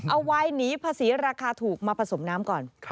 เอาวายหนีภาษีราคาถูกมาผสมน้ำก่อน